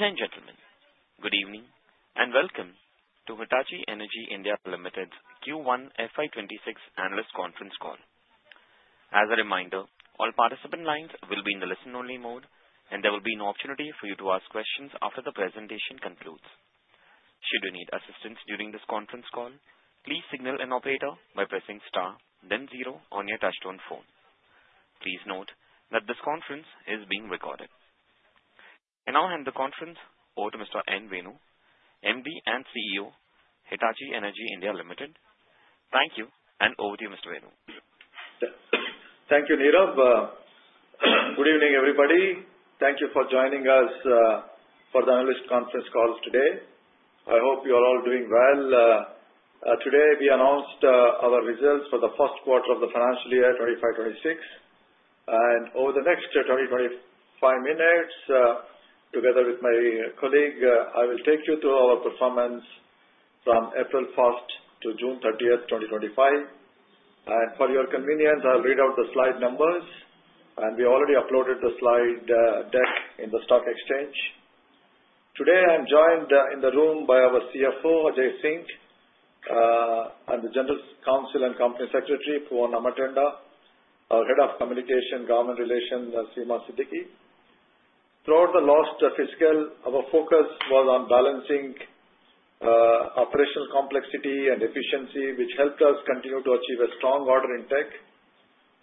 Ladies and gentlemen, good evening and welcome to Hitachi Energy India Limited's Q1FY26 Analyst conference call. As a reminder, all participant lines will be in the listen only mode and there will be an opportunity for you to ask questions after the presentation concludes. Should you need assistance during this conference call, please signal an operator by pressing Star then zero on your touchtone phone. Please note that this conference is being recorded. I now hand the conference over to Mr. N. Venu, MD and CEO, Hitachi Energy India Limited. Thank you. Over to you, Mr. Venu. Thank you, Nirav. Good evening, everybody. Thank you for joining us for the Analyst conference call today. I hope you are all doing well. Today we announced our results for the first quarter of the financial year 25-26, and over the next 20-25 minutes, together with my colleague, I will take you through our performance from April 1 to June 30, 2025. For your convenience, I'll read out the slide numbers, and we already uploaded the slide deck in the stock exchange. Today I am joined in the room by our CFO, Ajay Singh, and the General Counsel and Company Secretary, Poovanna Ammatanda, and our Head of Communication and Government Relations, Seema Siddiqui. Throughout the last fiscal, our focus was on balancing operational complexity and efficiency, which helped us continue to achieve a strong order intake,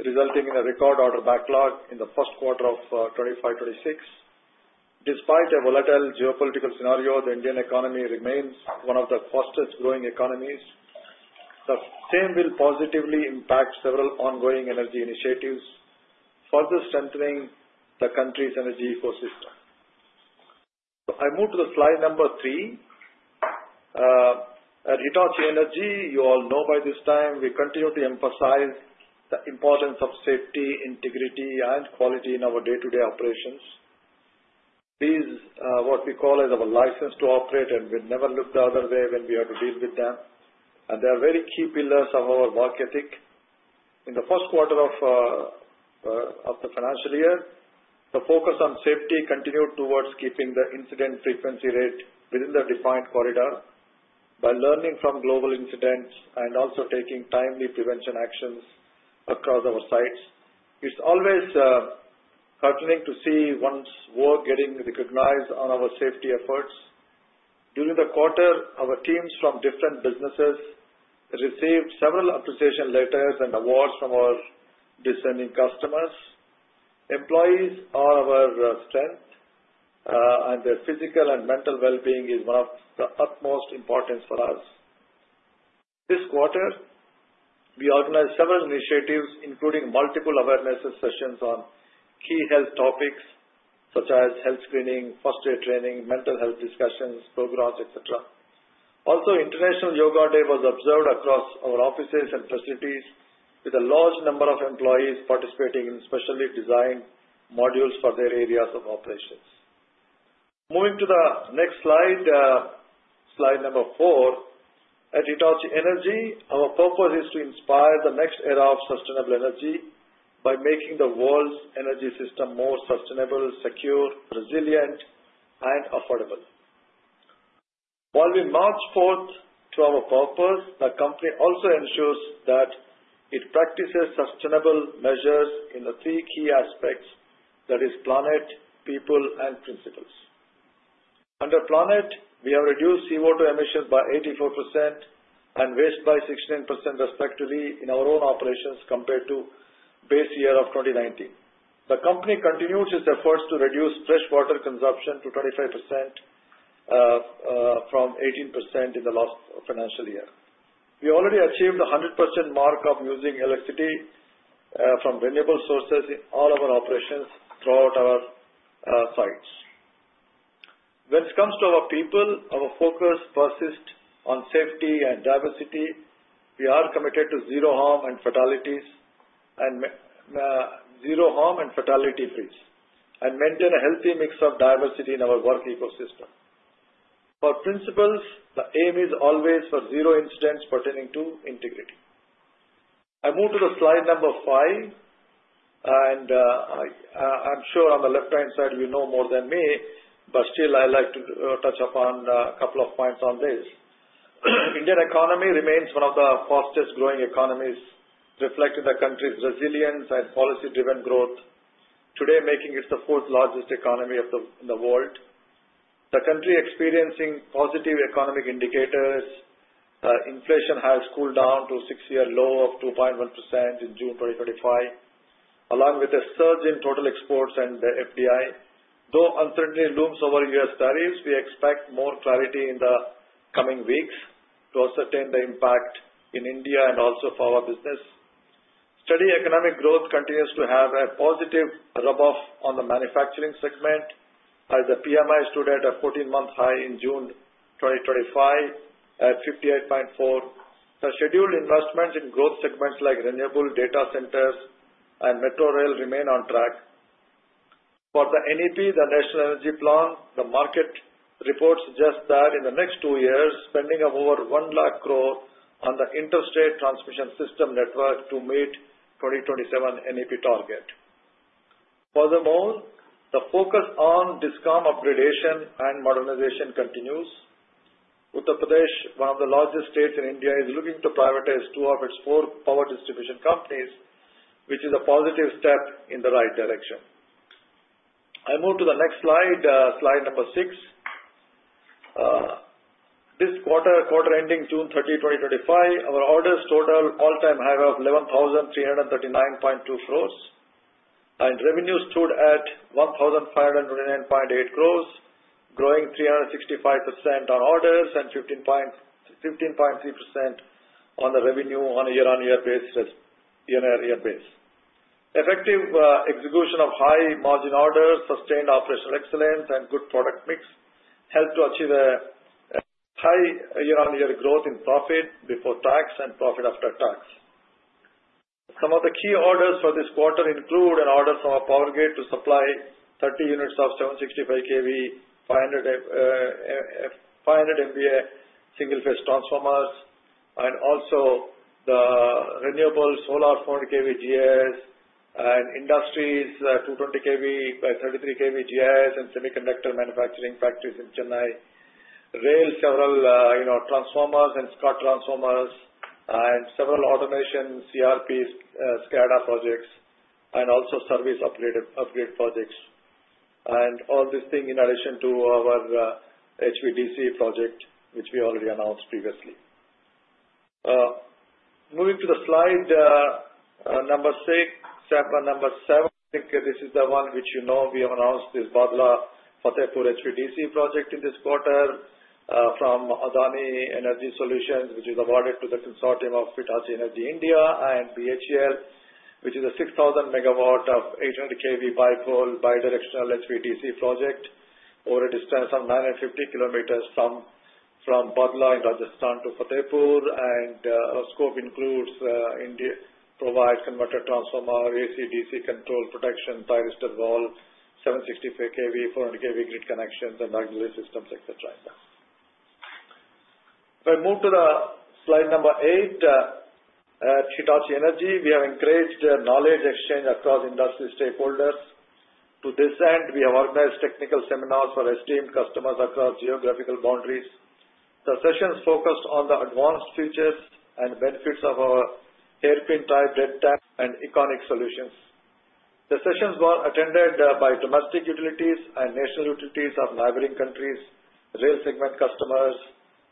resulting in a record order backlog in first quarter of 25-26. Despite a volatile geopolitical scenario, the Indian economy remains one of the fastest growing economies. The same will positively impact several ongoing energy initiatives, further strengthening the country's energy ecosystem. I move to slide number three. At Hitachi Energy, you all know by this time we continue to emphasize the importance of safety, integrity, and quality in our day-to-day operations. These are what we call our license to operate, and we never look the other way when we have to deal with them, and they are very key pillars of our work ethic. In the first quarter of the financial year, the focus on safety continued towards keeping the incident frequency rate within the defined corridor by learning from global incidents and also taking timely prevention actions across our sites. It's always heartening to see one's work getting recognized. On our safety efforts during the quarter, our teams from different businesses received several appreciation letters and awards from our discerning customers. Employees are our strength, and their physical and mental well-being is of the utmost importance for us. This quarter, we organized several initiatives, including multiple awareness sessions on key health topics such as health screening, first aid training, mental health discussions, programs, etc. Also, International Yoga Day was observed across our offices and facilities, with a large number of employees participating in specially designed modules for their areas of operations. Moving to the next slide, slide number four. At Hitachi Energy, our purpose is to inspire the next era of sustainable energy by making the world's energy system more sustainable, secure, resilient, and affordable. While we march forth to our purpose, the company also ensures that it practices sustainable measures in the three key aspects, i.e., planet, people, and principles. Under planet, we have reduced CO2 emissions by 84% and waste by 16% respectively in our own operations compared to the base year of 2019. The company continues its efforts to reduce fresh water consumption to 25% from 18% in the last financial year. We already achieved the 100% mark of using electricity from renewable sources in all of our operations throughout our sites. When it comes to our people, our focus persists on safety and diversity. We are committed to zero harm and fatalities, zero harm and fatality freeze, and maintain a healthy mix of diversity in our work ecosystem. For principles, the aim is always for zero incidents pertaining to integrity. I move to slide number five, and I'm sure on the left-hand side you know more than me, but still I'd like to touch upon a couple of points on this. The Indian economy remains one of the fastest growing economies, reflecting the country's resilience and policy-driven growth, today making it the fourth largest economy in the world. The country is experiencing positive economic indicators. Inflation has cooled down to a six-year low of 2.1% in June 2025 along with a surge in total exports and FDI. Though uncertainty looms over U.S. tariffs, we expect more clarity in the coming weeks to ascertain the impact in India and also for our business. Steady economic growth continues to have a positive rub off on the manufacturing segment as the PMI stood at a 14-month high in June 2025 at 58.4. The scheduled investments in growth segments like renewables, data centers, and Metrorail remain on track for the NEP, the National Energy Plan. The market reports suggest that in the next two years, spending up over 1 lakh crore on the Interstate Transmission System network to meet the 2027 NEP target. Furthermore, the focus on discom upgradation and modernization continues. Uttar Pradesh, one of the largest states in India, is looking to privatize two of its four power distribution companies, which is a positive step in the right direction. I move to the next slide, slide number six. This quarter, quarter ending June 30, 2025, our orders total all-time high of 11,339.2 crores and revenue stood at 1,529.8 crores, growing 365% on orders and 15.3% on the revenue on a year-on-year basis. Effective execution of high margin orders, sustained operational excellence, and good product mix helped to achieve a high year-on-year growth in profit before tax and profit after tax. Some of the key orders for this quarter include an order from a Power Grid to supply 30 units of 765 kV, 500 F, 500 mega single phase transformers and also the renewable solar found KVGAs and industries 220 kV by 33 kV GIS and semiconductor manufacturing factories in Chennai Rail, several transformers and Scott transformers, and several automation CRP SCADA projects and also service upgrade projects. All this in addition to our HVDC project which we already announced previously. Moving to the slide number six, sample number seven, this is the one which you know we have announced, this Badla-Fatehpur HVDC project in this quarter from Adani Energy Solutions, which is awarded to the consortium of Hitachi Energy India and BHEL, which is a 6,000 megawatt of 800 kV bipolar bidirectional HVDC project over a distance of 950 km from Badla in Rajasthan to Fatehpur, and our scope includes provide converter, transformer, AC DC control protection, thyristor valve, 765 kV, 400 kV grid connections and magnet systems, etc. If I move to the slide number 8, at Hitachi Energy we have encouraged knowledge exchange across industry stakeholders. To this end, we have organized technical seminars for esteemed customers across geographical boundaries. The sessions focused on the advanced features and benefits of our hairpin type dead tank and EconiQ solutions. The sessions were attended by domestic utilities and national utilities of neighboring countries, rail segment customers,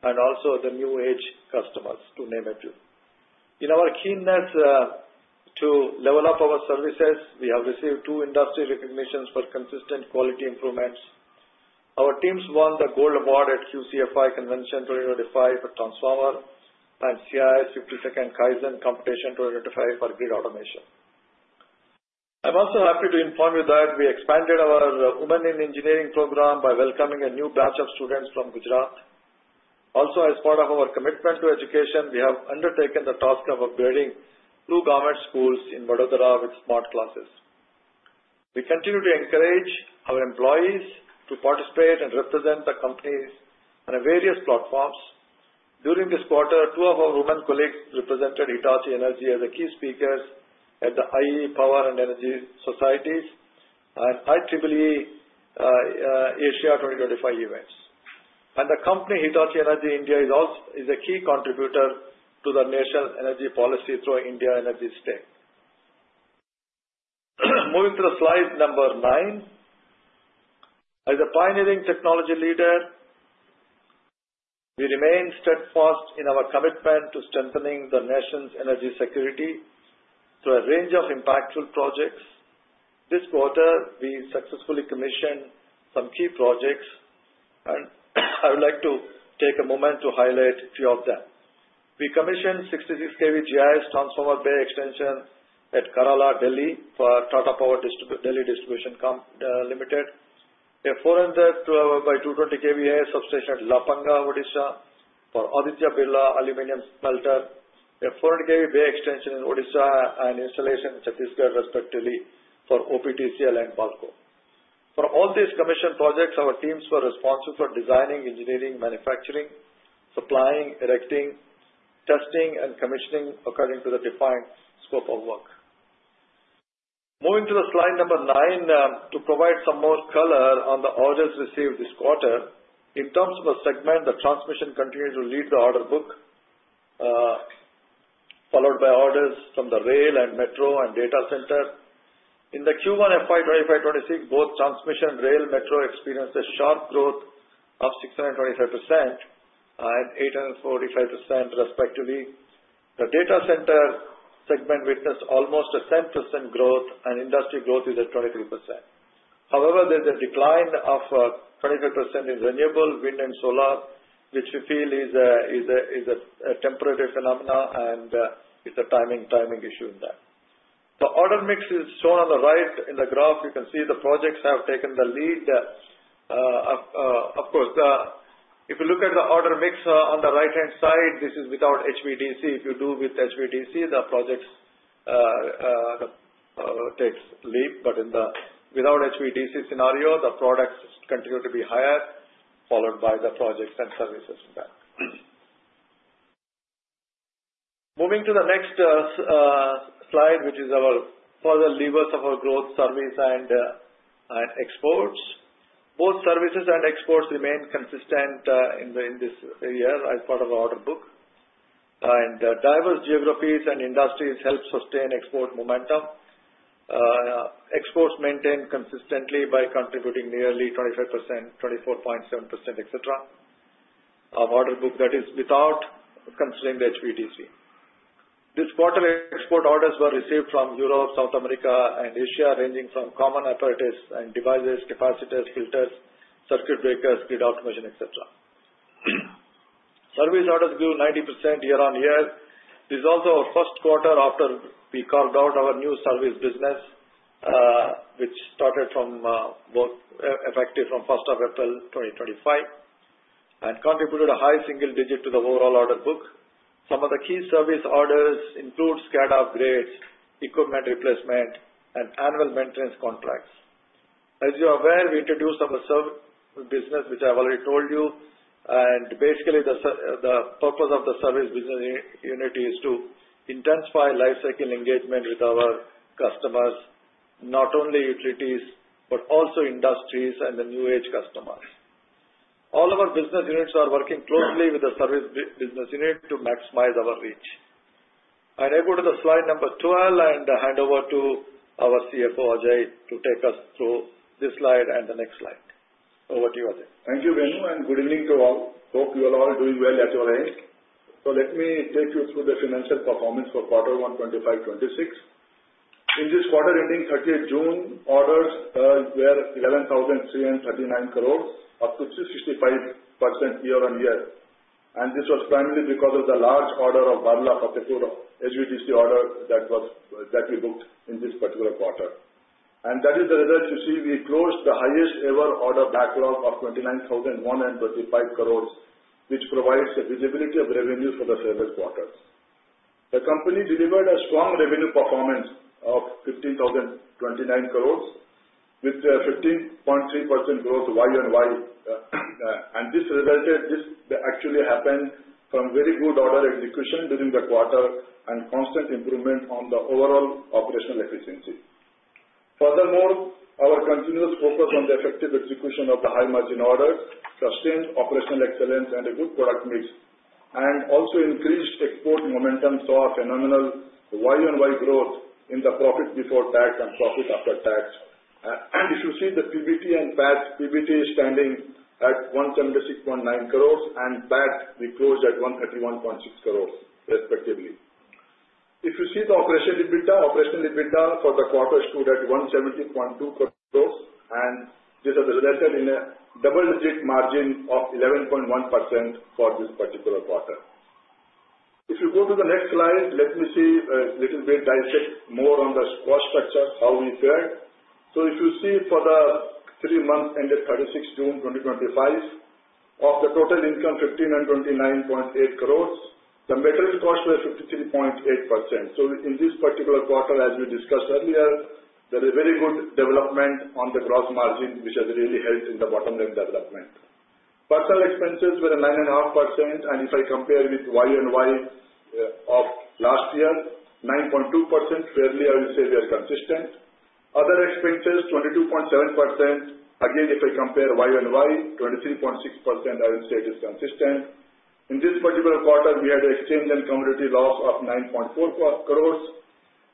and also the new age customers to name a few. In our keenness to level up our services, we have received two industry recognitions for consistent quality improvements. Our teams won the Gold award at QCFI Convention 2025 for Transformer and CII 52nd Kaizen Competition 2025 for Grid Automation. I'm also happy to inform you that we expanded our Women in Engineering program by welcoming a new batch of students from Gujarat. Also, as part of our commitment to education, we have undertaken the task of upgrading two government schools in Madodhara with smart classes. We continue to encourage our employees to participate and represent the companies on various platforms. During this quarter, two of our women colleagues represented Hitachi Energy as the key speakers at the IEEE Power and Energy Society and IEEE Asia 2025 events, and the company Hitachi Energy India is a key contributor to the National Energy Policy through India Energy Stake. Moving to slide number nine, as a pioneering technology leader, we remain steadfast in our commitment to strengthening the nation's energy security through a range of impactful projects. This quarter, we successfully commissioned some key projects, and I would like to take a moment to highlight a few of them. We commissioned a 66 kV GIS transformer bay extension at Kerala Delhi for Tata Power Delhi Distribution Limited, a 412x220 kV AIS substation at Lapanga, Odisha for Aditya Birla Aluminum smelter, bay extension in Odisha, and installation in Chhattisgarh respectively for OPTCL and BALCO. For all these commissioned projects, our teams were responsible for designing, engineering, manufacturing, supplying, erecting, testing, and commissioning according to the defined scope of work. Moving to slide number nine to provide some more color on the orders received this quarter in terms of segment, the transmission continued to lead the order book, followed by orders from the rail and metro and data center in Q1 FY25-26. Both transmission and rail metro experienced a sharp growth of 625% and 845% respectively. The data center segment witnessed almost a 7% growth, and industry growth is at 23%. However, there is a decline of 25% in renewables wind and solar, which we feel is a temporary phenomenon and it's a timing issue. In the order mix shown on the right in the graph, you can see the projects have taken the lead. Of course, if you look at the order mix on the right-hand side, this is without HVDC. If you do with HVDC, the project takes the leap, but without HVDC scenario, the products continue to be higher, followed by the projects and services. Moving to the next slide, which is our further levers of our growth: service and exports. Both services and exports remain consistent in this year as part of our order book, and diverse geographies and industries help sustain export momentum. Exports maintained consistently by contributing nearly 25%, 24.7%, etc., order book, that is without considering the HVDC. This quarter export orders were received from Europe, South America, and Asia, ranging from common apparatus and devices, capacitors, filters, circuit breakers, grid automation, etc. Service orders grew 90% year on year. This is also our first quarter after we carved out our new service business, which started from both effective from April 1, 2025, and contributed a high single digit to the overall order book. Some of the key service orders include SCADA upgrades, equipment replacement, and annual maintenance contracts. As you are aware, we introduced our service business, which I have already told you, and basically the purpose of the service business unit is to intensify life cycle engagement with our customers, not only utilities but also industries and the new age customers. All of our business units are working closely with the service business unit to maximize our reach. I now go to slide number 12 and hand over to our CFO, Ajay, to take us through this slide and the next slide. Over to you, Ajay. Thank you Venu and good evening to all. Hope you are all doing well at your end. Let me take you through the financial performance for quarter one 25-26. In this quarter ending 30 June, orders were INR 11,339 crore, up to 365% year on year. This was primarily because of the large order of Badla-Fatehpur HVDC project order that we booked in this particular quarter and that is the result. You see we closed the highest ever order backlog of 29,135 crore, which provides the visibility of revenue for the famous quarters. The company delivered a strong revenue performance of 15,029 crore with 15.3% growth Y on Y and this actually happened from very good order execution during the quarter and constant improvement on the overall operational efficiency. Furthermore, our continuous focus on the effective execution of the high margin order, sustained operational excellence and a good product mix and also increased export momentum saw a phenomenal Y on Y growth in the profit before tax and profit after tax. If you see the PBT and PAT, PBT is standing at 176.9 crore and PAT we closed at 131.6 crore respectively. If you see the operational EBITDA, operational EBITDA for the quarter stood at INR 170.2 crore. crores, and this has resulted in a double digit margin of 11.1% for this particular quarter. If you go to the next slide, let me see a little bit dissect more on the cost structure, how we fared. If you see for the three months ended the 30th of June 2025, of the total income 1,529.8 crores, the material cost was 53.8%. In this particular quarter, as we discussed earlier, there is a very good development on the gross margin which has really helped in the bottom line development. Personnel expenses were 9.5% and if I compare with Y-on-Y of last year, 9.2%, fairly I will say they are consistent. Other expenses 22.7%, again if I compare Y-on-Y, 23.6%, I will say it is consistent. In this particular quarter, we had exchange and commodity loss of 9.4 crores,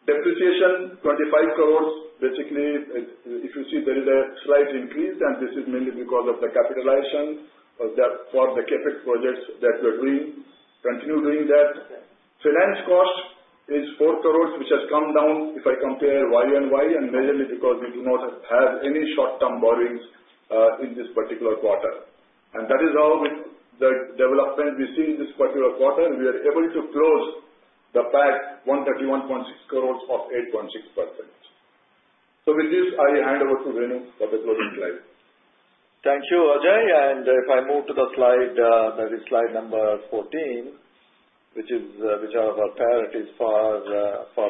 depreciation 25 crores. Basically, if you see, there is a slight increase and this is mainly because of the capitalization for the CapEx projects that we are doing, continue doing that. Finance cost is 4 crores which has come down. If I compare Y-on-Y, and majorly because we do not have any short term borrowings in this particular quarter, and that is how the development we see in this particular quarter. We are able to close the PAT 131.6 crore of 8.6%. With this, I hand over to Venu for the closing slide. Thank you Ajay. If I move to the slide that is slide number 14, which is our priorities for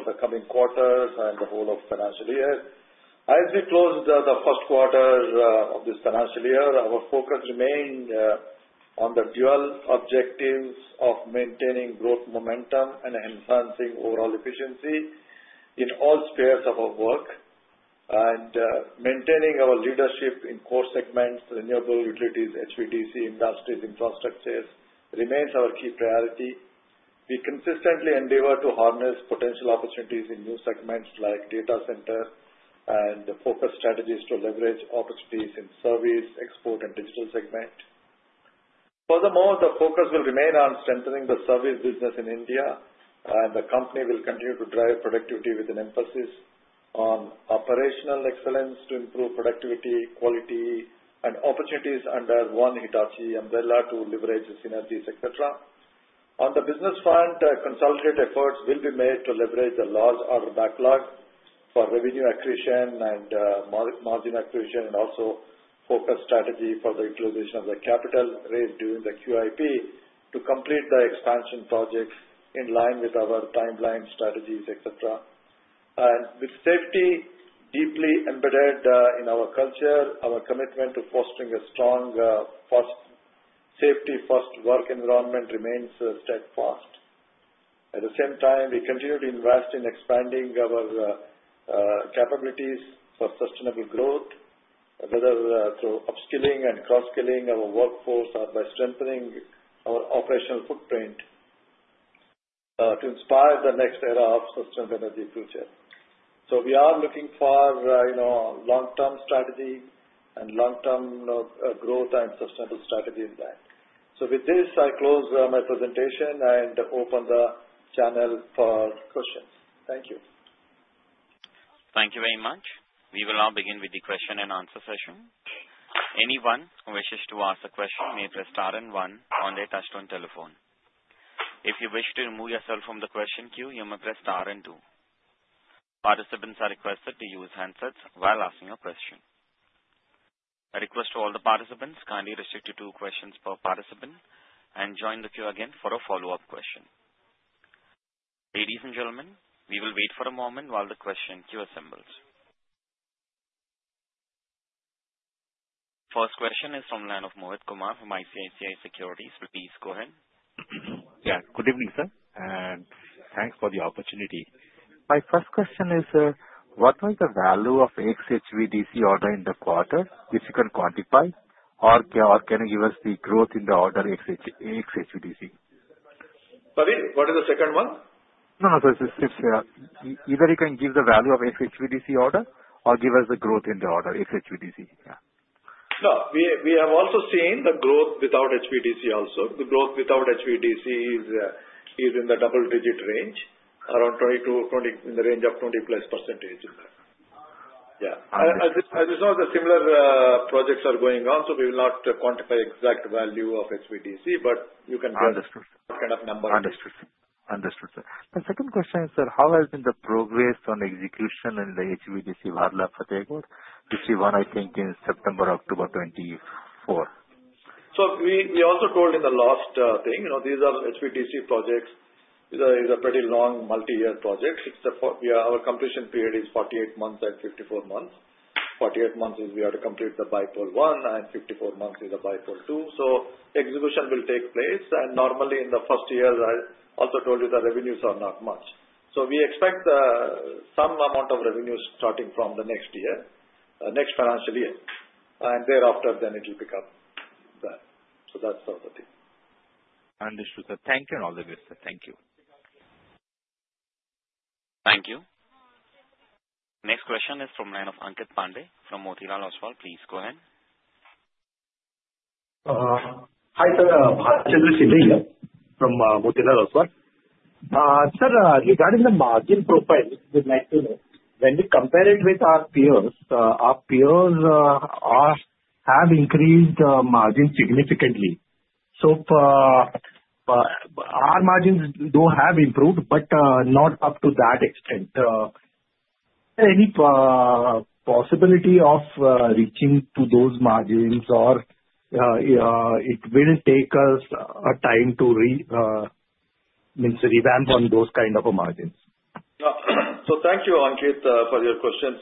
the coming quarters and the whole of the financial year. As we closed the first quarter of this financial year, our focus remained on the dual objectives of maintaining growth momentum and enhancing overall efficiency in all spheres of our work. Maintaining our leadership in core segments—renewable utilities, HVDC, industries, infrastructures—remains our key priority. We consistently endeavor to harness potential opportunities in new segments like data center and focus strategies to leverage opportunities in service export and digital segment. Furthermore, the focus will remain on strengthening the service business in India, and the company will continue to drive productivity with an emphasis on operational excellence to improve productivity, quality, and opportunities under one Hitachi umbrella to leverage synergies, et cetera. On the business front, consolidated efforts will be made to leverage the large order backlog for revenue accretion and margin accretion and also focus strategy for the inclusion of the capital rate during the QIP to complete the expansion projects in line with our timeline strategies, et cetera. With safety deeply embedded in our culture, our commitment to fostering a strong safety-first work environment remains steadfast. At the same time, we continue to invest in expanding our capabilities for sustainable growth, whether through upskilling and cross-skilling our workforce or by strengthening our operational footprint to inspire the next era of sustainable energy future. We are looking for long-term strategy and long-term growth and sustainable strategy in that. With this, I close my presentation and open the channel for questions. Thank you. Thank you very much. We will now begin with the question and answer session. Anyone who wishes to ask a question may press star and one on their touchstone telephone. If you wish to remove yourself from the question queue, you may press star and two. Participants are requested to use handsets while asking a question. A request to all the participants: kindly restrict to two questions per participant and join the queue again for a follow up question. Ladies and gentlemen, we will wait for a moment while the question queue assembles. First question is from Mohit Kumar from ICICI Securities. Please go ahead. Yeah, good evening sir and thanks for the opportunity. My first question is what was the value of HVDC order in the quarter which you can quantify, or can you give us the growth in the order HVDC Pavil? What is the second one? No, either you can give the value of HVDC order or give us the growth in the order HVDC. No, we have also seen the growth without HVDC. Also, the growth without HVDC is in the double-digit range, around 22, in the range of 20+%. Yeah, I just know the similar projects are going on, so we will not quantify exact value of HV, but you can understand what kind of number. Understood? Understood, sir. The second question is, sir, how has been the progress on execution in the HVDC which we won, I think, in September or October 24th. We also told in the last thing you know these are HVDC projects, it is a pretty long multi-year project. Our completion period is 48 months and 54 months. 48 months is we have to complete the bipolar one and 54 months is a bipolar two. Execution will take place and normally in the first year, I also told you the revenues are not much. We expect some amount of revenue starting from the next year, next financial year, and thereafter it will pick up. That's an issue. Thank you and all the best. Thank you. Thank you. Next question is from the line of Ankit Pandey from Motilal Oswal. Please go ahead. Hi sir, regarding the margin. Profile, we'd like to know when we compare it with our peers. Our peers have increased margin significantly. Our margins do have improved but not up to that extent. Any possibility of reaching to those margins or it will take us a time to revamp on those kind of margins. Thank you, Ankit, for your question.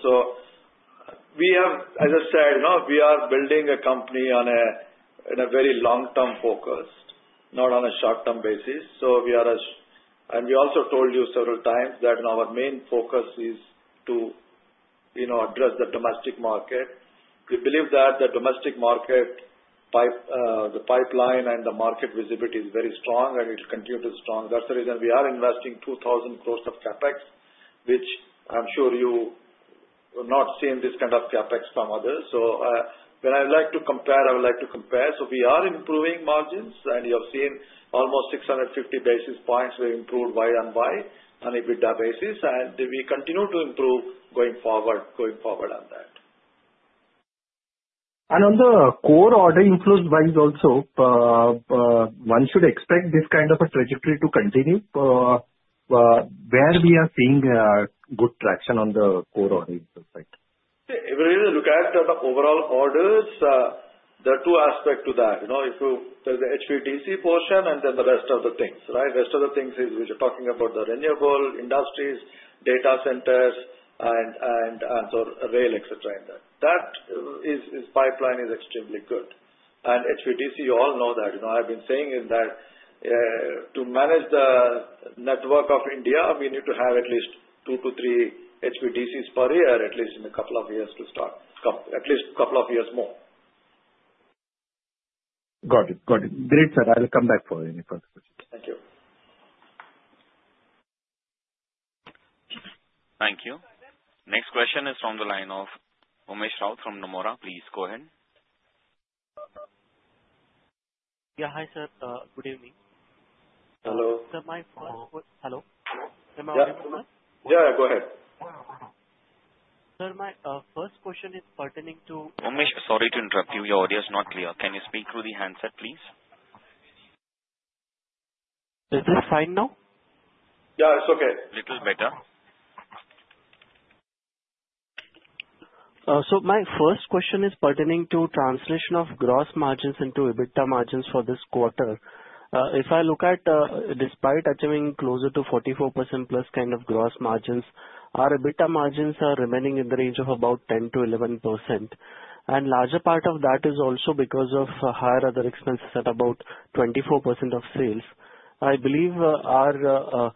We have, as I said, we are building a company on a very long-term focus, not on a short-term basis. We also told you several times that our main focus is to address the domestic market. We believe that the domestic market, the pipeline, and the market visibility is very strong, and it will continue to be strong. That's the reason we are investing 2,000 crore of capex, which I'm sure you have not seen this kind of capex from others. When I would like to compare, I would like to compare. We are improving margins, and you have seen almost 650 basis points were improved Y-on-Y on EBITDA basis, and we continue to improve going forward. Going forward on that. On the core order inflows wise, one should expect this kind of a trajectory to continue where we are seeing good traction on the core order. Look at the overall orders. There are two aspects to that. There's the HVDC portion and then the rest of the things. Rest of the things is we are talking about the renewable industries, data centers, and rail, etc. That pipeline is extremely good, and HVDC, you all know that I've been saying that to manage the network of India we need to have at least two to three HVDCs per year, at least in a couple of years to start, come at least couple of years more. Got it? Got it. Great. Sir, I will come back for any further questions. Thank you. Thank you. Next question is from the line of Umesh from Nomura. Please go ahead. Yeah, hi sir. Good evening. Hello. Yeah, go ahead. Sir. My first question is pertaining to. Umesh, sorry to interrupt you. Your audio is not clear. Can you speak through the handset, please? Is this fine now? Yeah, it's okay. Little better. My first question is pertaining to translation of gross margins into EBITDA margins for this quarter. If I look at despite achieving closer to 44% plus kind of gross margins, our EBITDA margins are remaining in the range of about 10 to 11% and larger. Part of that is also because of higher other expenses at about 24% of sales. I believe our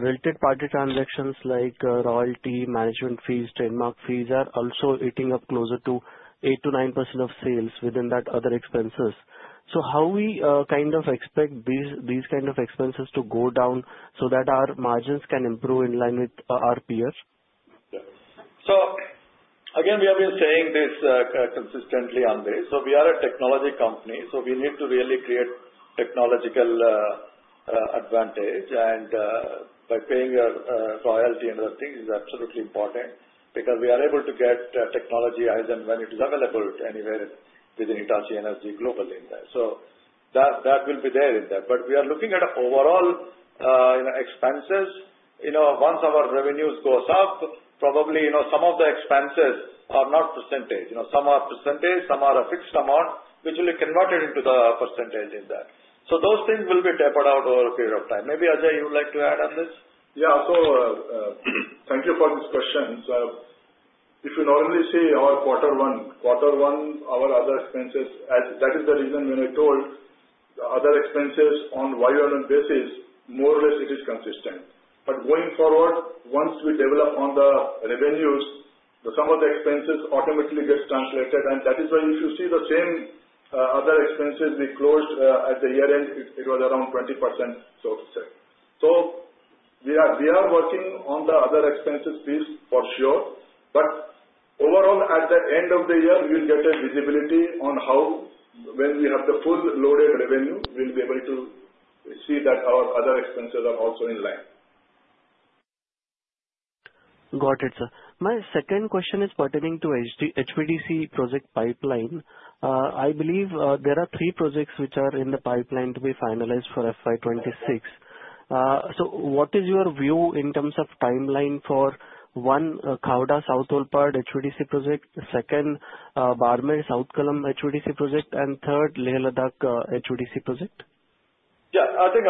related party transactions like royalty management fees, trademark fees are also eating up closer to 8%-9% of sales within that other expenses. How we kind of expect these kind of expenses to go down so that our margins can improve in line with. We have been saying this consistently, on this. We are a technology company, so we need to really create technological advantage. By paying royalty and other things, it is absolutely important because we are able to get technology as and when it is available anywhere within Hitachi Energy globally. That will be there in that. We are looking at overall expenses; once our revenues go up, probably some of the expenses are not percentage. Some are percentage, some are a fixed amount which will be converted into the percentage in that. Those things will be tapered out over a period of time. Maybe Ajay, you would like to add on this. Thank you for this question. If you normally see our quarter one, quarter one, our other expenses as that is the reason when I told you other expenses on basis more or less it is consistent. Going forward, once we develop on the revenues, some of the expenses automatically get translated. That is why if you see the same other expenses we closed at the year end, it was around 20% so to say. We are working on the other expenses piece for sure. Overall, at the end of the year you will get a visibility on how when we have the full loaded revenue we will be able to see that our other expenses are also in line. Got it. Sir, my second question is pertaining to HVDC project pipeline. I believe there are three projects which are in the pipeline to be finalized for FY26. What is your view in terms of timeline for one, Koda South Alwar HVDC project, second, Barmer South Kalan HVDC project, and third, Leh-Ladakh HVDC? Yeah, I think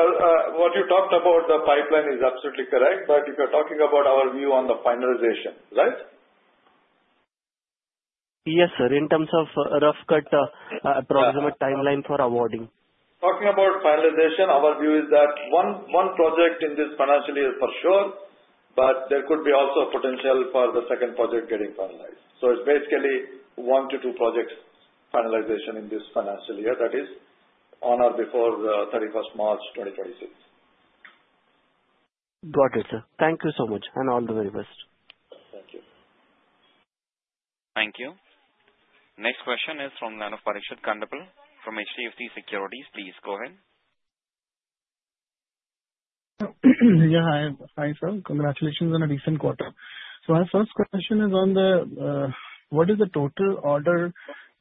what you talked about the pipeline is absolutely correct. If you're talking about our view on the finalization, right? Yes sir, in terms of rough cut, approximate timeline. For awarding, talking about finalization, our view is that one project in this financial year for sure. There could be also potential for the second project getting finalized. It's basically one to two projects finalization in this financial year that is on or before March 31, 2026. Got it, sir. Thank you so much and all the very best. Thank you. Thank you. Next question is from the line of Parikshit Kandapal from HDFC Securities. Please go ahead. Hi sir. Congratulations on a recent quarter. My first question is on what is the total order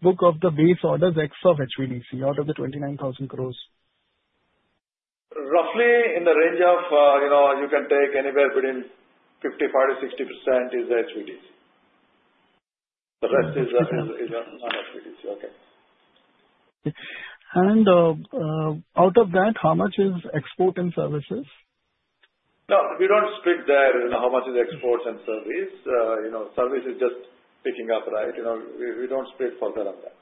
book of the base orders X of HVDC out of the 29,000 crores, roughly in the range of, you know, you can take anywhere between 55% to 60% is the HVDC. The rest is okay. Out of that, how much is export and services? No, we don't split there. How much is exports and service? You know service is just picking up, right? We don't split further on that.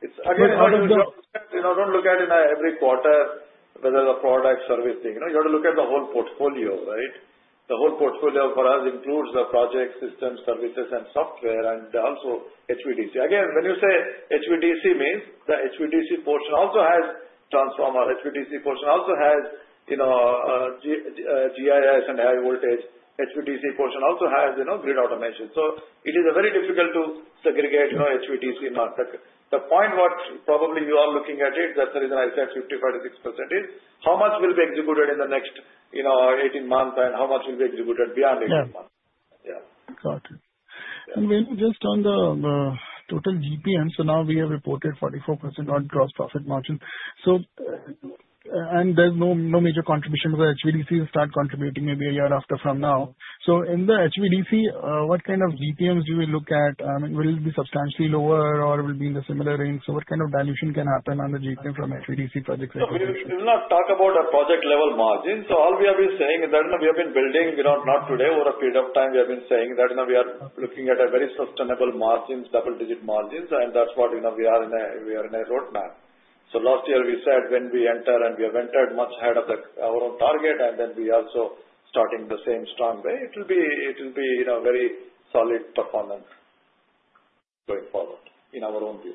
It's again, don't look at in every quarter whether the product service thing. You have to look at the whole portfolio, right? The whole portfolio for us includes the project systems, services, and software and also HVDC. Again, when you say HVDC, the HVDC portion also has transformer, HVDC portion also has GIS and high voltage, HVDC portion also has, you know, grid automation. It is very difficult to segregate, you know, HVDC market. The point what probably you are looking at it, that's the reason I said 55%-60% is how much will be executed in the next, you know, 18 months and how much will be executed beyond 18 months. Got it. Just on the total GPM, we have reported 44% on gross profit margin. There's no major contribution to the HVDC. It will start contributing maybe a year after from now. In the HVDC, what kind of GPMs do we look at? Will it be substantially lower or will it be in the similar range? What kind of dilution can happen on the GPM from the HVDC project? We will not talk about our project level margin. All we have been saying is that we have been building, not today, over a period of time. We have been saying that we are looking at very sustainable margins, double digit margins, and that's what we are in a roadmap. Last year we said when we enter and we have entered much ahead of our own target, and then we also starting the same strong way, it will be very solid performance going forward in our own view.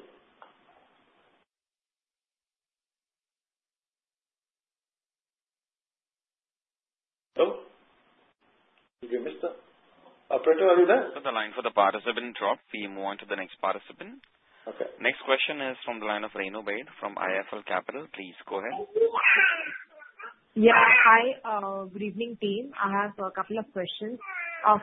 Did we miss the operator? Are you there? The line for the participant dropped. We move on to the next participant. Next question is from the line of Renu Baid from IIFL Capital. Please go ahead. Yeah, hi, good evening team. I have a couple of questions.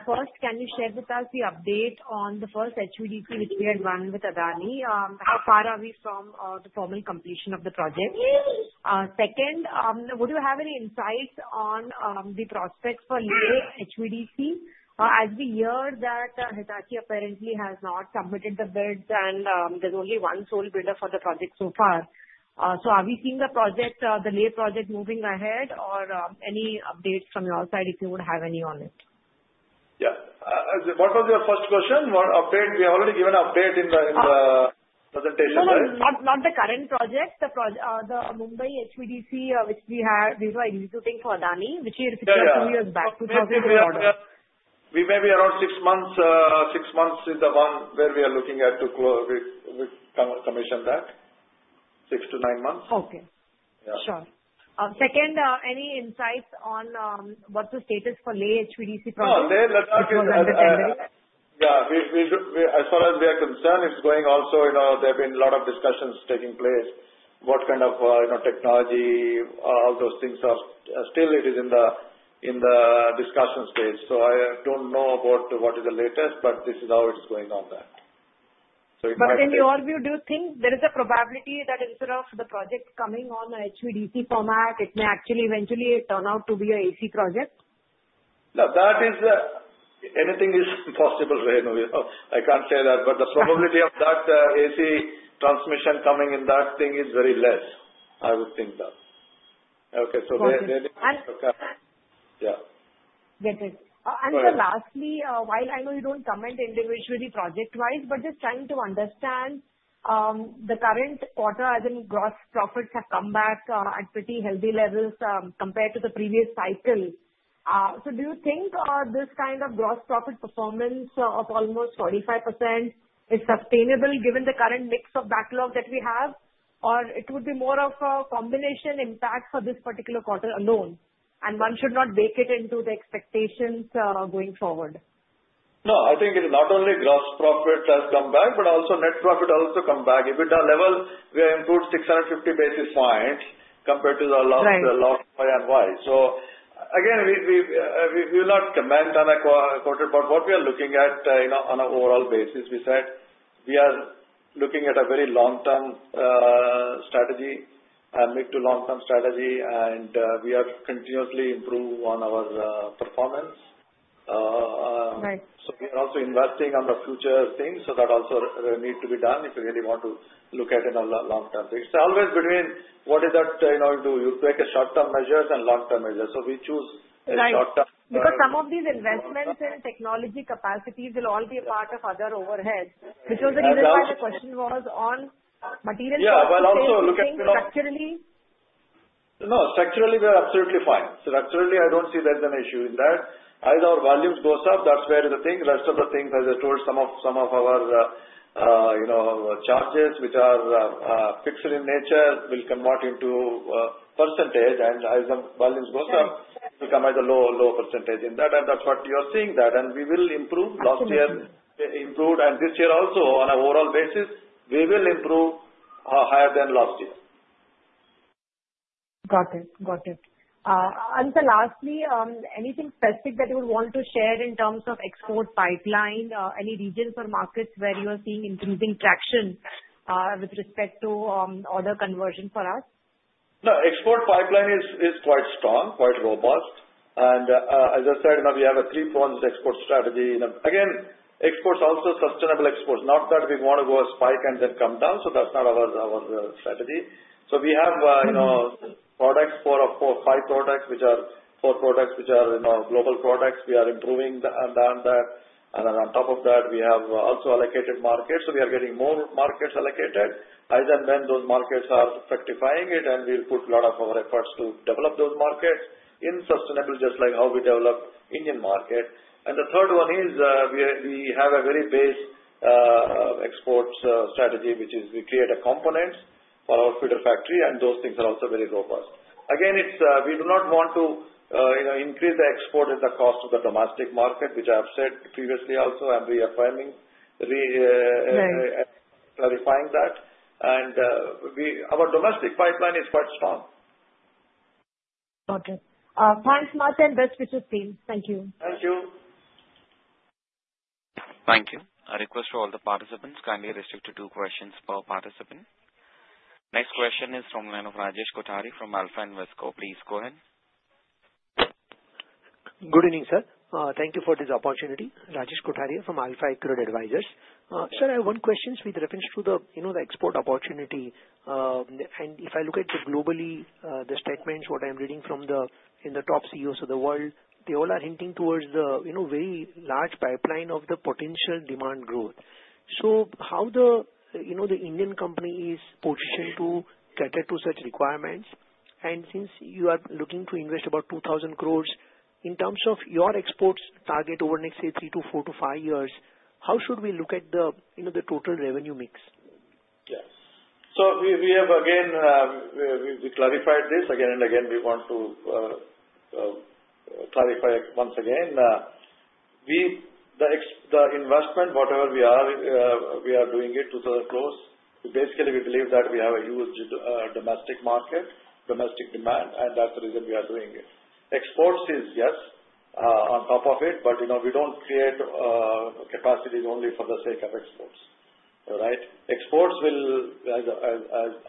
First, can you share with us the update on the first HVDC which we had won with Adani? How far are we from the formal completion of the project? Second, would you have any insights on the prospects for HVDC? As we hear that Hitachi apparently has not submitted the bids and there's only one sole builder for the project so far. Are we seeing the project, the Leh project moving ahead or any updates from your side if you would have any on it? Yeah, what was your first question? We have already given update in the presentation. Not the current project, the Mumbai HVDC which we have, we were executing for Adani. May be around six months. Six months is the one where we are looking at to close. We commission that six to nine months. Okay, sure. Second, any insights on what's the status for Leh HVDC? Yeah, as far as we are concerned, it's going. Also, you know, there have been a lot of discussions taking place about what kind of, you know, technology. All those things are still in the discussion stage. I don't know about what is the latest, but this is how it's going on there. In your view, do you think there is a probability that instead of the project coming on HVDC format, it may actually eventually turn out to be an AC project? That is, anything is possible. I can't say that, but the probability of that AC transmission coming in that thing is very less. I would think that. Okay, so yeah. Lastly, while I know you don't comment individually project wise, just trying to understand the current quarter as in gross profits have come back at pretty healthy levels compared to the previous cycle. Do you think this kind of gross profit performance of almost 45% is sustainable given the current mix of backlog that we have? It would be more of a combination impact for this particular quarter alone and one should not bake it into the expectations going forward. No, I think not only gross profit has come back but also net profit also come back EBITDA level. We have improved 650 basis points compared to the loss of Y-on-Y. We will not comment on quoted, but what we are looking at on an overall basis, we said we are looking at a very long term strategy, mid to long term strategy, and we are continuously improve on our performance. We are also investing on the future things. That also need to be done. If you really want to look at in a long term, it's always between what is that you take a short term measures and long term measures. We choose right. Because some of these investments in technology capacities will all be a part of other overheads, which was the reason why the question was on. Yeah, also look at, no, structurally we are absolutely fine. Structurally I don't see there's an issue in that either. Volumes go up, that's where the thing, rest of the things as I told, some of our, you know, charges which are fixed in nature will convert into % and as the volumes go up become as a low, low % in that. That's what you are seeing, and we will improve. Last year improved, and this year also on an overall basis we will improve higher than last year. Got it, got it. Lastly, anything specific that you would want to share in terms of export pipeline? Any regions or markets where you are seeing increasing traction with respect to order conversion? For us, the export pipeline is quite strong, quite robust, and as I said, we have a three-pronged export strategy. Exports are also sustainable exports, not that we want to go spike and then come down. That's not our strategy. We have products, four or five products, which are four products, which are global products. We are improving that, and then on top of that, we have also allocated markets. We are getting more markets allocated, either when those markets are rectifying it, and we will put a lot of our efforts to develop those markets in a sustainable way, just like how we develop the Indian market. The third one is we have a very base exports strategy, which is we create components for our feeder factory, and those things are also very robust. We do not want to increase the export at the cost of the domestic market, which I have said previously. I'm reaffirming, clarifying that, and our domestic pipeline is quite strong. Okay, thanks Martin. Best wishes, team. Thank you. Thank you. Thank you. A request to all the participants, kindly restrict to two questions per participant. Next question is from the line of Rajesh Kothari from AlfAccurate Advisors. Please go ahead. Good evening, sir. Thank you for this opportunity. Rajesh Kothari from AlfAccurate Advisors. Sir, I have one question with reference to the export opportunity. If I look at globally the statements, what I am reading from the top CEOs of the world, they all are hinting towards the very large pipeline of the potential demand growth. How the Indian company is positioned to cater to such requirements? Since you are looking to invest about 2,000 crore in terms of your exports target over next, say, three to four to five years, how should we look at the total revenue mix? Yes, we have clarified this again and again. We want to clarify once again, the investment, whatever we are doing, we are doing it to the close. Basically, we believe that we have a huge domestic market, domestic demand, and that's the reason we are doing it. Exports is, yes, on top of it. We don't create capacities only for the sake of exports. Exports will, as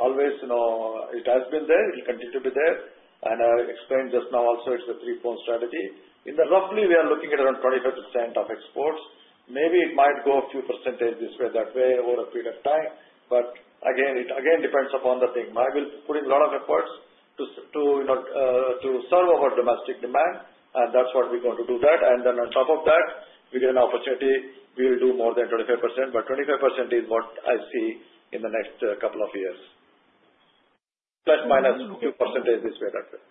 always it has been there, it will continue to be there. I explained just now also, it's a three-point strategy. Roughly, we are looking at around 25% of exports. Maybe it might go a few % this way, that way over a period of time. It depends upon the thing. Maybe putting a lot of efforts to serve our domestic demand, and that's what we're going to do. Then on top of that, if we get an opportunity, we will do more than 25%. 25% is what I see in the next couple of years, plus minus % this way, that way.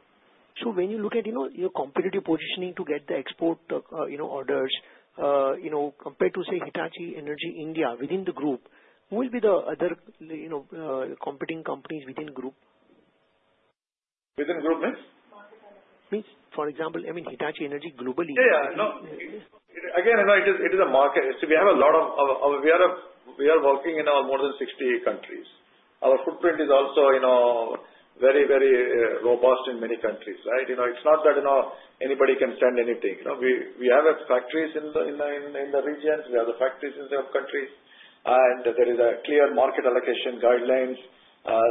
When you look at your competitive positioning to get the export orders compared to, say, Hitachi Energy India within the group, who will be the other competing companies within the group? Within group means, for example, I mean Hitachi Energy globally, again it is a market. We have a lot of, we are working in more than 60 countries. Our footprint is also very, very robust in many countries. It's not that anybody can send anything. We have factories in the regions, we have the factories in some countries, and there is a clear market allocation guidelines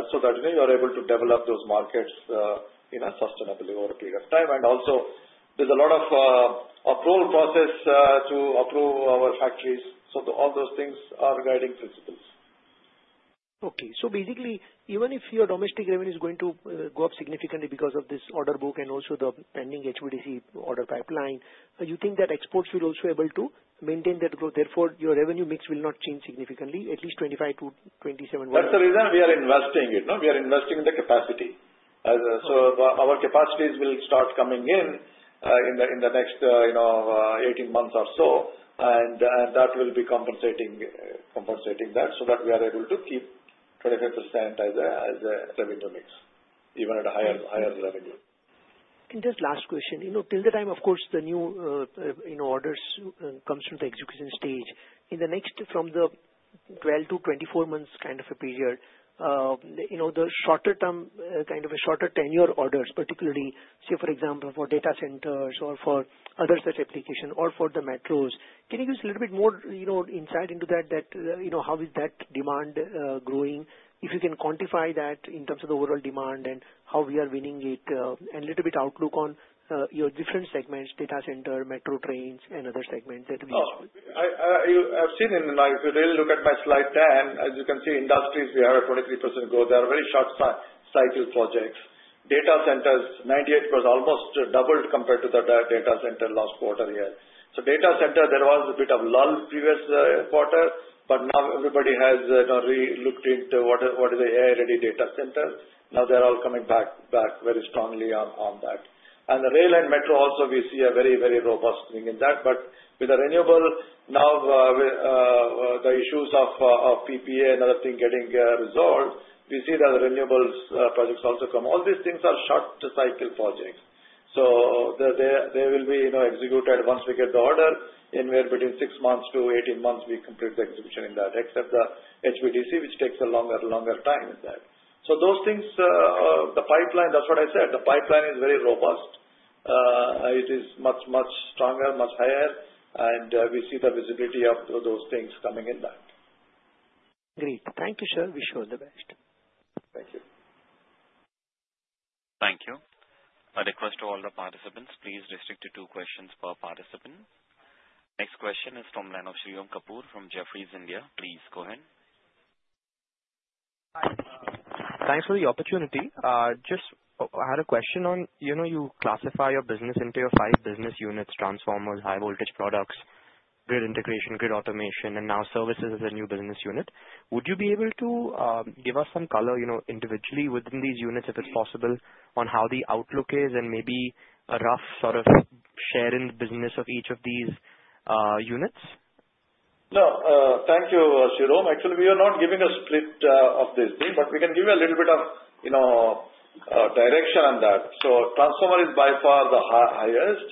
so that you are able to develop those markets sustainably over a period of time. There is also a lot of approval process to approve our factories. All those things are guiding principles. Okay. Basically, even if your domestic revenue is going to go up significantly because of this order book and also the pending HVDC order pipeline, you think that exports will also be able to maintain that growth. Therefore, your revenue mix will not change significantly, at least 25%-27%. That's the reason we are investing, we are investing in the capacity. Our capacities will start coming in in the next 18 months or so, and that will be compensating that so that we are able to keep 25% as a revenue mix even at a higher revenue. Just last question, till the time of course the new orders come to the execution stage in the next, from the 12-24 months kind of a period, you know, the shorter term, kind of a shorter tenure orders, particularly say for example for data centers or for other such application or for the metros. Can you give us a little bit more insight into that? You know, how is that demand growing? If you can quantify that in terms of the overall demand and how we are winning it and a little bit outlook on your different segments, data center, metro trains and other segments that we have. If you really look at my slide 10, as you can see, industries, we have a 23% growth. They are very short cycle projects. Data centers, 98%, almost doubled compared to the data center last quarter year. Data center, there was a bit of lull previous quarter, but now everybody has really looked into what is the AI ready data center. Now they're all coming back very strongly on that. The rail and metro also, we see a very, very robust thing in that. With the renewable now, the issues of PPA and other things getting resolved, we see that the renewable projects also come. All these things are short cycle projects. They will be executed once we get the order, anywhere between 6 months to 18 months, we complete the execution in that except the HVDC which takes a longer, longer time in that. Those things, the pipeline. That's what I said. The pipeline is very robust. It is much, much stronger, much higher, and we see the visibility of those things coming in that. Great. Thank you, sir. Wish you all the best. Thank you. Thank you. I request all the participants, please restrict to two questions per participant. Next question is from Shirom Kapur from Jefferies, India. Please go ahead. Thanks for the opportunity. I had a question on, you know you classify your business into your five business units, transformers, high voltage products, grid integration, grid automation, and now services as a new business unit. Would you be able to give us some color, you know, individually within these units if it's possible on how the outlook is and maybe a rough sort of share in the business of each of these units? No. Thank you, Shirom. Actually, we are not giving a split of this, but we can give you a little bit of direction on that. Transformer is by far the highest,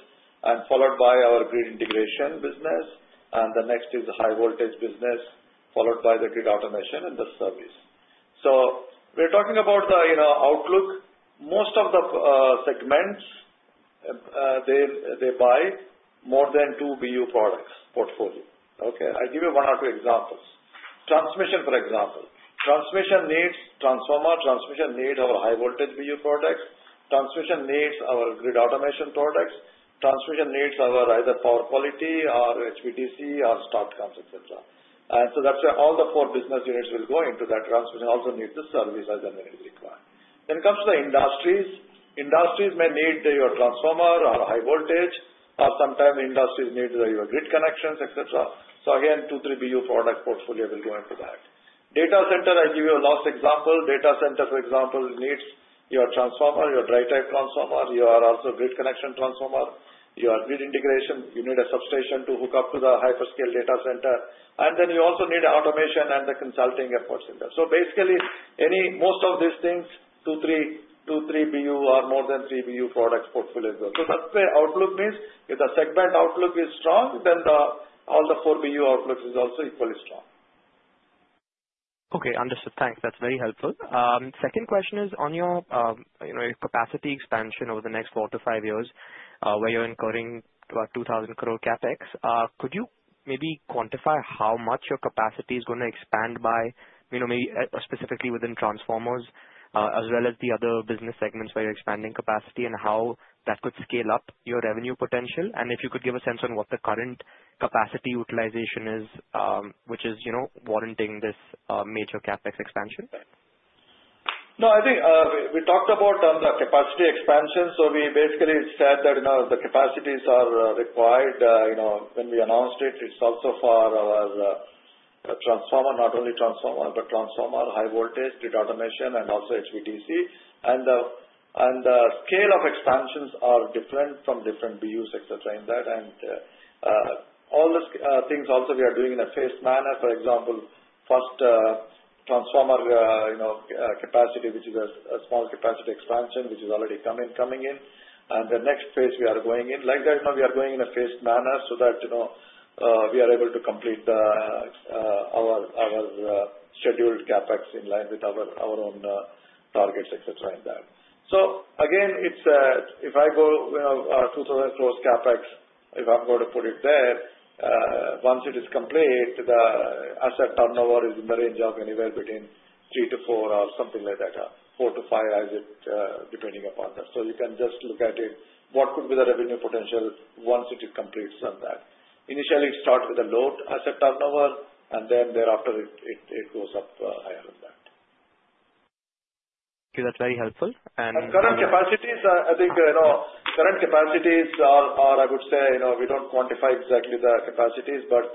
followed by our grid integration business, and the next is high voltage business, followed by the grid automation and the service. We're talking about the outlook. Most of the segments, they buy more than two BU products portfolio. I'll give you one or two examples. Transmission, for example, transmission needs transformer, transmission needs our high voltage BU products, transmission needs our grid automation products, transmission needs our either power quality or HVDC or STATCOMs, etc. That's why all the four business units will go into that. Transmission also needs the service as required. When it comes to the industries, industries may need your transformer or high voltage, or sometimes industries need your grid connections, etc. Again, two or three BU product portfolio will go into that. Data center, I'll give you a last example. Data center, for example, needs your transformer, your dry type transformer, your also grid connection transformer, your grid integration. You need a substation to hook up to the hyperscale data center, and then you also need automation and the consulting efforts in there. Basically, most of these things, two, three BU or more than three BU products portfolio. That's the outlook, means if the segment outlook is strong, then all the four BU outlook is also equally strong. Okay, understood. Thanks, that's very helpful. Second question is on your capacity expansion over the next four to five years where you're incurring about 2,000 crore CapEx. Could you maybe quantify how much your capacity is going to expand by specifically within transformers as well as the other business segments where you're expanding capacity, and how that could scale up your revenue potential? If you could give a sense on what the current capacity utilization is which is warranting this major CapEx expansion. No, I think we talked about the capacity expansion. We basically said that the capacities are required when we announced it. It's also for our transformer, not only transformer but transformer, high voltage automation, and also HV. The scale of expansions are different from different bus, etc. in that, and all these things also we are doing in a phased manner. For example, first transformer capacity, which is a small capacity expansion, is already coming in, and the next phase we are going in like that. We are going in a phased manner so that we are able to complete our scheduled CapEx in line with our own targets, etc. in that. If I go 2,000 crores CapEx, if I'm going to put it there, once it is complete, the asset turnover is in the range of anywhere between three to four or something like that, 4 to 5 as it depending upon that. You can just look at it, what could be the revenue potential once it completes that. Initially it starts with a low asset turnover and then thereafter it goes up higher than that. That's very helpful. Current capacities, I think current capacities are. I would say we don't quantify exactly the capacities, but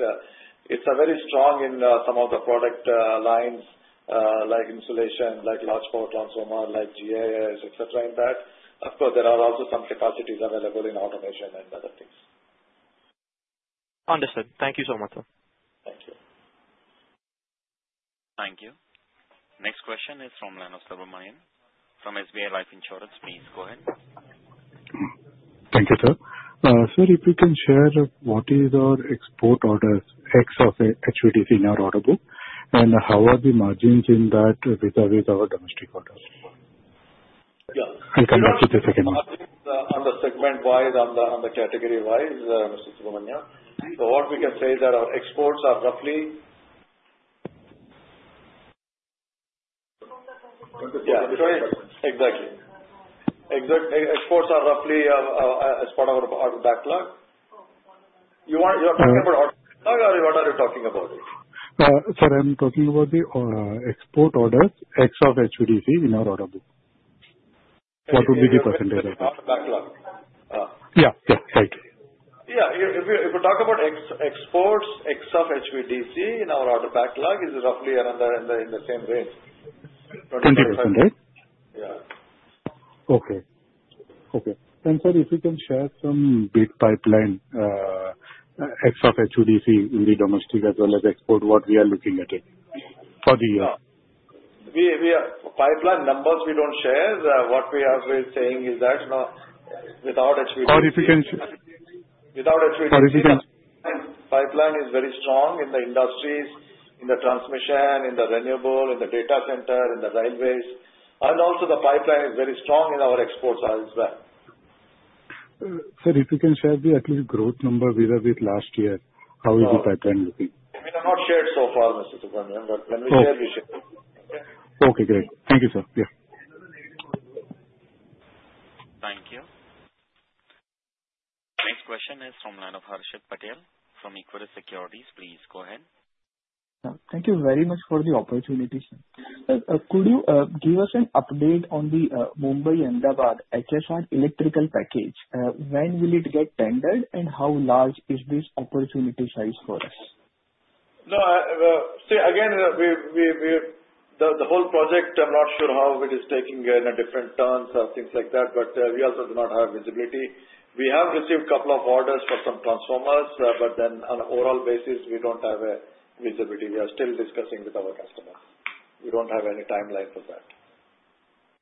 it's very strong in some of the product lines like insulation, like large power transformer, like GIS, et cetera. In that, of course, there are also some capacities available in automation and other things. Understood. Thank you so much, sir. Thank you. Thank you. Next question is from SBI Life Insurance. Please go ahead. Thank you, sir. Sir, if you can share what is our export order, X of HVDC in our order book, and how are the margins in that vis-à-vis our domestic order? Yeah. On the segment wise, on the category wise. Mr. Subramaniam, what we can say is that our exports are roughly, exactly, exports are roughly as part of our backlog. You want, you are talking about order backlog or what are you talking about? Sir, I'm talking about the export orders of HVDC in our order book. What would be the %? Yeah, yeah, right. Yeah. If you talk about exports, ex of HVDC, in our order backlog is roughly around in the same range. 20%, right? Yeah. Okay. If you can share some big pipeline, excluding HVDC, in the domestic as well as export, what we are looking at it for. The year pipeline numbers we don't share. What we have been saying is that without HVDC, pipeline is very strong in the industries, in the transmission, in the renewables, in the data center, in the railways. Also, the pipeline is very strong in our exports as well. Sir, if you can share at least the growth number we were with last year, how is the pipeline looking? We have not shared so far, Mr. Subramaniam, but when we share, we share. Okay, great. Thank you, sir. Yeah. Thank you. Next question is from Harshit Patel from Equirus Securities. Please go ahead. Thank you very much for the opportunity. Sir, could you give us an update on the Mumbai Ahmedabad HSR electrical package? When will it get tendered, and how large is this opportunity size for us? No, see again the whole project, I'm not sure how it is taking different turns or things like that. We also do not have visibility. We have received a couple of orders for some transformers, but then on overall basis we don't have a visibility. We are still discussing with our customers. We don't have any timeline for that.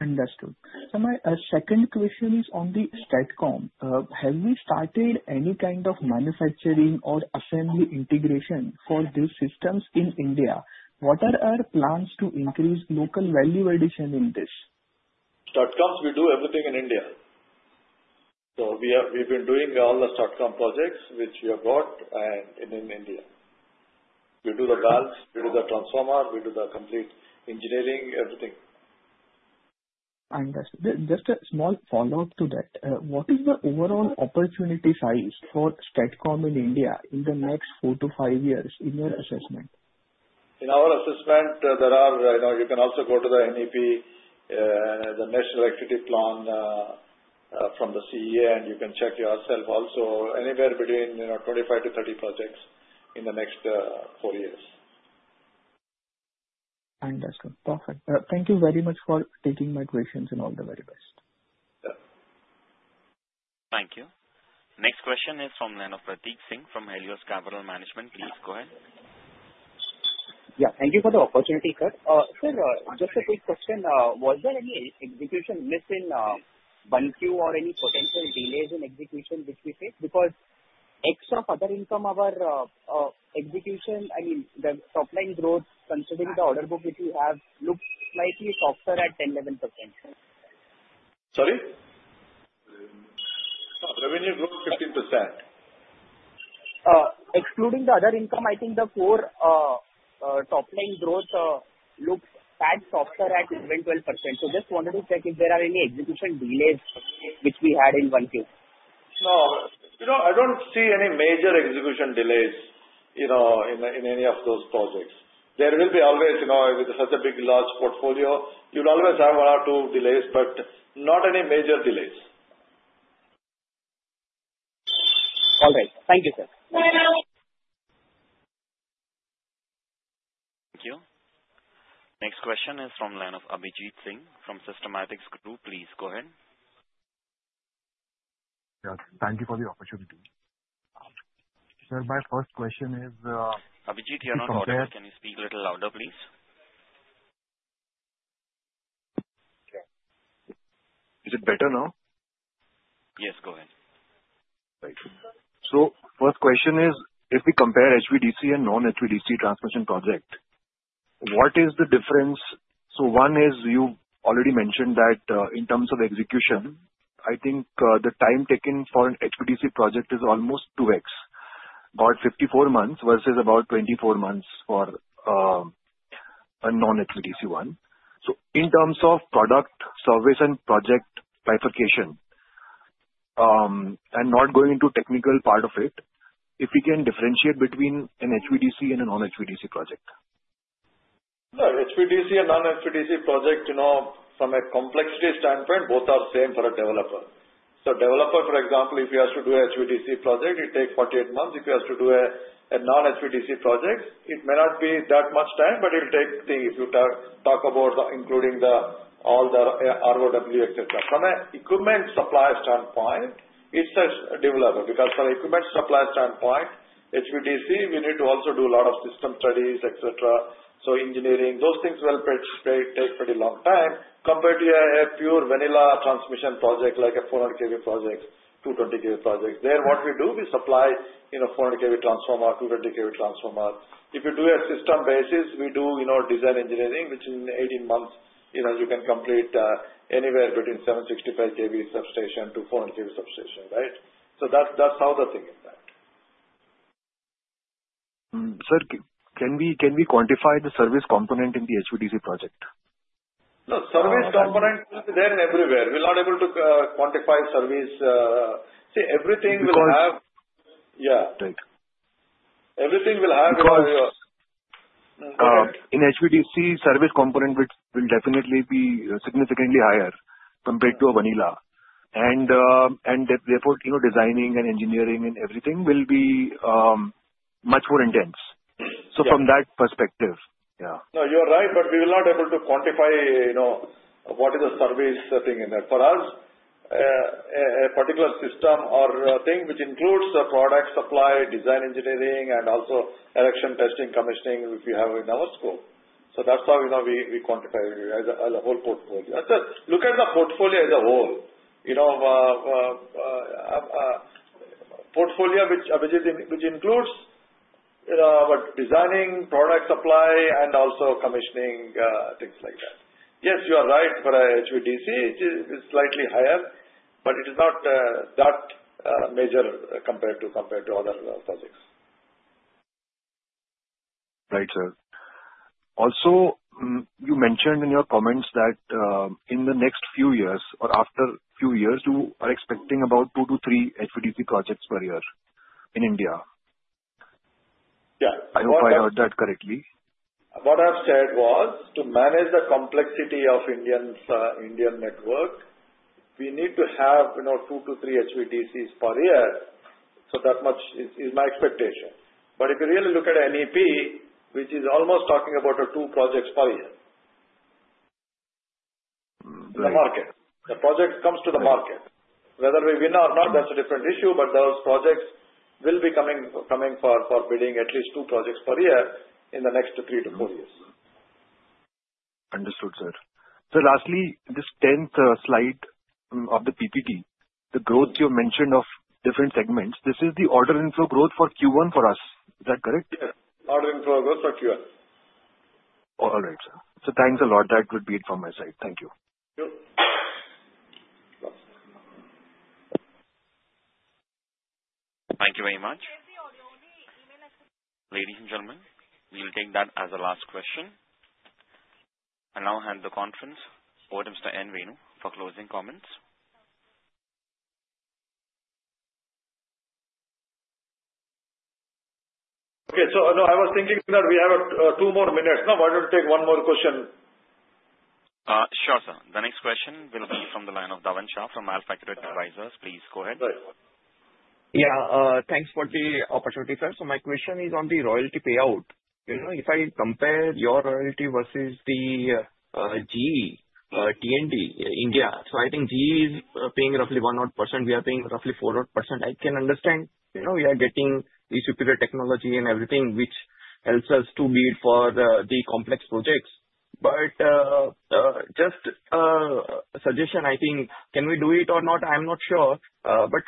Understood. My second question is on the STATCOM. Have we started any kind of manufacturing or assembly integration for these systems in India? What are our plans to increase local value addition in these STATCOMs? We do everything in India. We've been doing all the STATCOM projects which we have got, and in India we do the valves, we do the transformer, we do the complete engineering, everything. Just a small follow-up to that. What is the overall opportunity size for STATCOM in India in the next four to five years in your assessment? In our assessment, you know you can also go to the NEP, the National Electricity Plan from the CEA, and you can check yourself also anywhere between 25-30 projects in the next four years. Perfect. Thank you very much for taking my questions and all the very best. Thank you. Next question is from Pratik Singh from Helios Capital Management. Please go ahead. Yeah, thank you for the opportunity. Sir, just a quick question. Was there any execution miss in Bunq? Or any potential delays in execution which we face because of other income, our execution. I mean the top line growth considering. The order book which we have looks. Slightly softer at 10%-11%. Sorry, revenue growth 15%. Excluding the other income, I think the core top line growth looks tad softer at even 12%. Just wanted to check if there. Are any execution delays which we had in 1Q. No, you know I don't see any major execution delays in any of those projects. There will always, with such a big large portfolio, you'll always have one or two delays, but not any major delays. All right. Thank you, sir. Thank you. Next question is from the line of Abhijeet Singh from Systematix Group. Please go ahead. Thank you for the opportunity. Sir, my first question is. Abhijeet, you're not audible. Can you speak a little louder, please? Is it better now? Yes, go ahead. If we compare HVDC and non-HVDC transmission projects, what is the difference? One is, you already mentioned that in terms of execution, the time taken for an HVDC project is almost 2x, at 54 months versus about 24 months for a non-HVDC one. In terms of product, service, and project bifurcation, and not going into the technical part of it, if we can differentiate between an HVDC and a non-HVDC. Project, HVDC and non-HVDC project, you know, from a complexity standpoint, both are same for a developer. So developer, for example, if he has to do HVDC project, it takes 48 months. You can do a non-HVDC project, it may not be that much time, but it will take. If you talk about including all the ROW, etc. From an equipment supply standpoint, it's a developer because from an equipment supply standpoint, HVDC we need to also do a lot of system studies, etc. So engineering, those things will take pretty long time compared to a pure vanilla transmission project like a 400 kV projects, 220 kV projects there. What we do, we supply in a 400 kV transformer, 220 kV transformer. If you do a system basis, we do design engineering which in 18 months you can complete anywhere between 765 kV substation to 400 kV substation. Right. So that's how the thing is that. Sir, can we quantify the service component in the HVDC project? No service component will be there everywhere. We're not able to quantify service. Everything will have. Yeah, everything will have. In HVDC service component, which will definitely be significantly higher compared to a vanilla, designing and engineering and everything will be much more intense. From that perspective, you are right. We will not be able to quantify, you know, what is the service setting in it for us. A particular system or thing which includes product supply, design, engineering, and also erection, testing, commissioning, which we have in our scope. That's how, you know, we quantify the whole portfolio. Look at the portfolio as a whole, you know, portfolio which includes designing, product supply, and also commissioning, things like that. Yes, you are right. For a HVDC it is slightly higher, but it is not that major compared to other projects. Right, sir. Also, you mentioned in your comments that in the next few years or after a few years you are expecting about two to three HVDC projects per year in India. I hope I heard that correctly. What I’ve said was to manage the complexity of India’s network, we need to have two to three HVDCs per year. That much is my expectation. If you really look at NEP, which is almost talking about two projects per year, the project comes to the market, whether we win or not, that’s a different issue. Those projects will be coming for bidding, at least two projects per year in the next three to four years. Understood, sir. Lastly, this tenth slide of the PPT, the growth you mentioned of different segments, this is the order inflow growth for Q1 for us. Is that correct? Ordering progress. All right, sir. Thanks a lot. That would be it from my side. Thank you. Thank you very much, ladies and gentlemen. We will take that as the last question and now hand the conference over to Mr. N. Venu for closing comments. Okay, no, I was thinking that we have two more minutes now. Why don't we take one more question? Sure, sir. The next question will be from the line of Dhavan Shah from AlfAccurate Advisors. Please go ahead. Yeah, thanks for the opportunity sir. My question is on the royalty payout. If I compare your royalty versus the GE T&D India, I think GE is paying roughly 1% and we are paying roughly 4%. I can understand, you know, we are getting the superior technology and everything which helps us to bid for the complex projects. Just a suggestion, I think, can we do it or not, I'm not sure.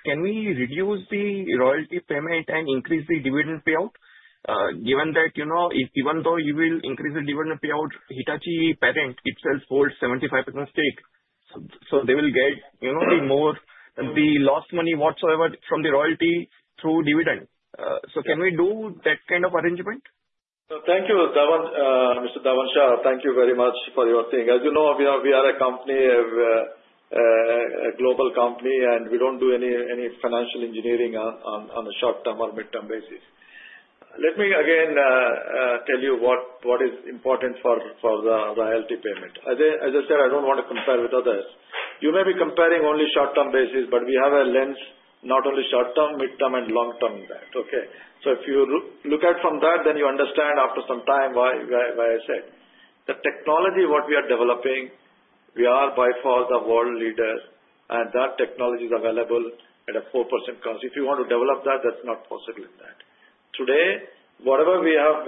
Can we reduce the royalty payment and increase the dividend payout? Given that, you know, even if you increase the dividend payout, Hitachi parent itself holds 75% stake, so they will get more of the lost money whatsoever from the royalty through dividend. Can we do that kind of arrangement? Thank you, Mr. Dhavan Shah. Thank you very much for your thing. As you know, we are a company, a global company, and we don't do any financial engineering on a short-term or mid-term basis. Let me again tell you what is important for the IELT payment. As I said, I don't want to compare with others. You may be comparing only short-term basis, but we have a lens not only short-term, mid-term, and long-term. If you look at from that, then you understand after some time. Why I said the technology, what we are developing, we are by far the world leaders, and that technology is available at a 4% cost. If you want to develop that, that's not possible. In that today, whatever we have,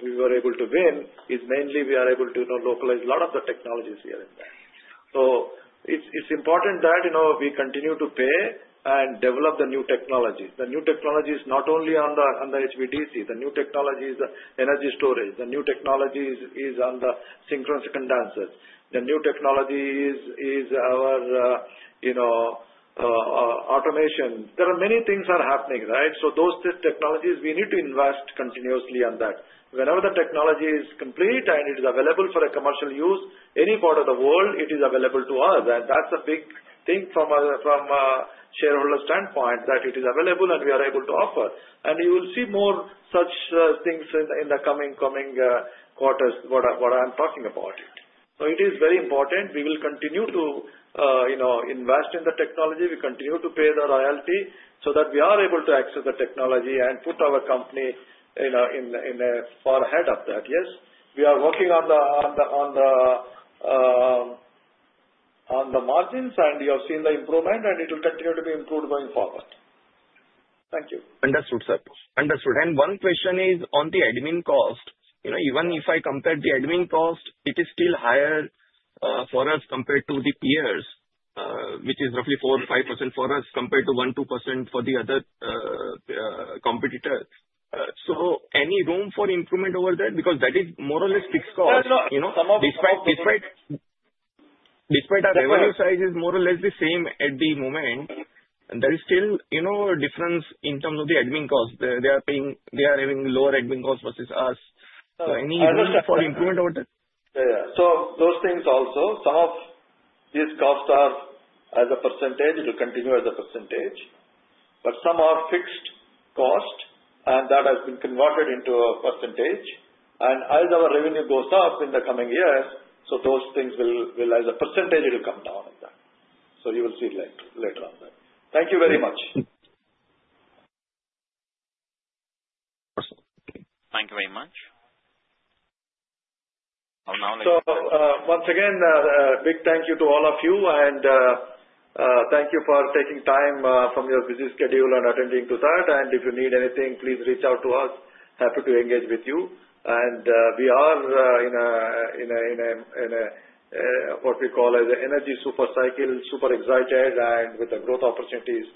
we were able to win is mainly we are able to localize a lot of the technologies here and there. It's important that we continue to pay and develop the new technology. The new technology is not only on the HVDC. The new technology is the energy storage. The new technology is on the synchronous condensers. The new technology is our automation. There are many things are happening, right? Those technologies, we need to invest continuously on that. Whenever the technology is complete and it is available for a commercial use, any part of the world, it is available to us. That is a big thing from shareholder standpoint, that it is available and we are able to offer and you will see more such things in the coming quarters, what I am talking about. It is very important we will continue to, you know, invest in the technology, we continue to pay the royalty so that we are able to access the technology and put our company in a far ahead of that. Yes, we are working on the margins and you have seen the improvement and it will continue to be improved going forward. Thank you. Understood, sir, understood. One question is on the admin cost. You know, even if I compare the admin cost, it is still higher for us compared to the peers, which is roughly 4.5% for us compared to 1.2% for the other competitor. Any room for improvement over there? That is more or less fixed. Cost, you know, despite. Our revenue size is more or less the same at the moment. There is still a difference in terms of the admin cost they are paying. They are having lower admin cost versus us. Any improvement over there? Those things also, some of these costs are as a %, it will continue as a %. Some are fixed cost and that has been converted into a %. As our revenue goes up in the coming years, those things will, as a %, come down. You will see later on. Thank you very much. Thank you very much. Once again, big thank you to all of you and thank you for taking time from your busy schedule and attending to that. If you need anything, please reach out to us. Happy to engage with you. We are in what we call energy super cycle, super excited and the growth opportunities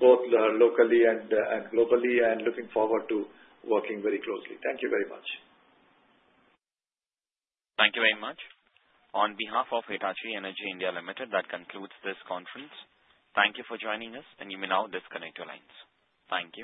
both locally and globally and looking forward to working very closely. Thank you very much. Thank you very much. On behalf of Hitachi Energy India Limited, that concludes this conference. Thank you for joining us. You may now disconnect your lines. Thank you.